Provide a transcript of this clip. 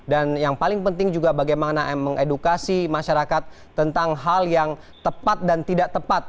dan yang paling penting juga bagaimana mengedukasi masyarakat tentang hal yang tepat dan tidak tepat